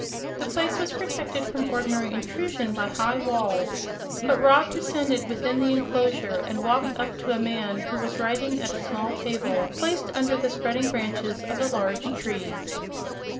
The place was protected from ordinary intrusion by high walls, but Rob descended within the enclosure and walked up to a man who was writing at a small table placed under the spreading branches of a large tree.